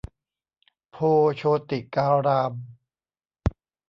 โพธิ์โชติการาม